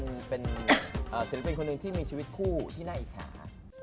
เป็นศิลปินคนหนึ่งที่มีชีวิตคู่ที่น่าอิจฉา